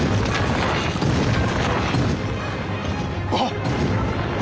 あっ！